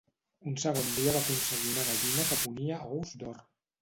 Un segon dia va aconseguir una gallina que ponia ous d'or.